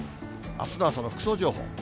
あすの朝の服装情報。